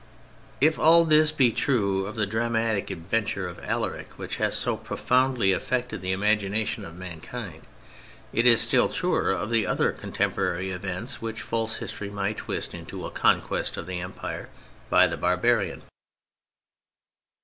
If all this be true of the dramatic adventure of Alaric, which has so profoundly affected the imagination of mankind, it is still truer of the other contemporary events which false history might twist into a "conquest" of the Empire by the barbarian.